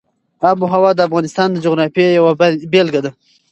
آب وهوا د افغانستان د جغرافیې یوه بېلګه ده.